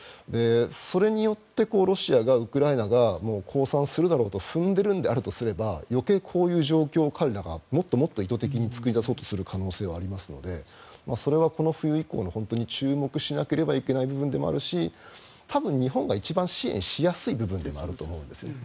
それによってロシアがウクライナが降参するだろうと踏んでるんであるとすれば余計にこういう状況を彼らがもっともっと意図的に作り出す可能性はありますのでそれはこの冬以降注目しなければいけないことですし多分、日本が一番支援しやすい部分でもあると思うんですね。